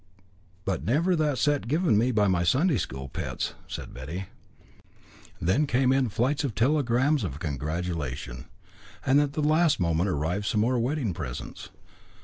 "But never that set given me by my Sunday school pets," said Betty. Then came in flights of telegrams of congratulation. And at the last moment arrived some more wedding presents.